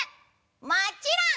もちろん！